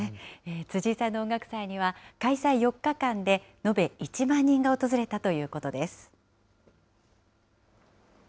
辻井さんの音楽祭には、開催４日間で延べ１万人が訪れたということです。